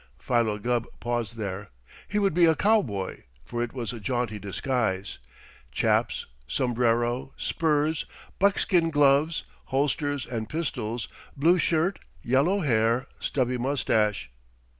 Philo Gubb paused there. He would be a cowboy, for it was a jaunty disguise "chaps," sombrero, spurs, buckskin gloves, holsters and pistols, blue shirt, yellow hair, stubby mustache.